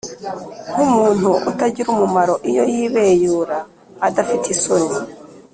nk’umuntu utagira umumaro, iyo yibeyura adafite isoni!